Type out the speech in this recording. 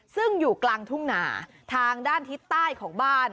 ซึ่งอยู่กลางทุ่งหนาทางด้านทิศใต้ของบ้าน